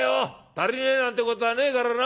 足りねえなんてことはねえからな。